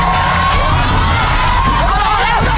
สุดท้ายสุดท้ายสุดท้าย